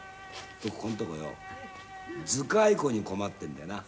ここんとこよづかいこに困ってんだよな。